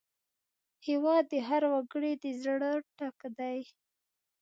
هېواد د هر وګړي د زړه ټک دی.